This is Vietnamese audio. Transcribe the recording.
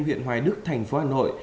huyện hoài đức thành phố hà nội